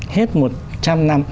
hết một trăm năm